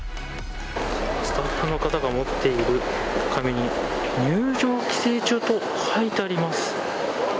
スタッフの方が持っている紙に入場規制中と書いてあります。